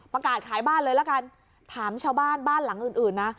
ประกาศขายบ้านเลยละกันถามชาวบ้านบ้านหลังอื่นอื่นนะ